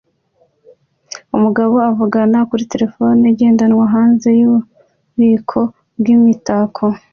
Umugabo uvugana kuri terefone igendanwa hanze yububiko bwimitako